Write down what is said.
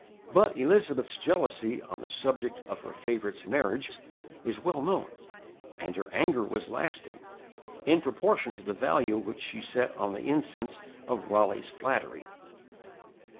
But Elizabeth's jealousy on the subject of her favorites' marriages is well known, and her anger was lasting, in proportion to the value which she set on the incense of Raleigh's flattery.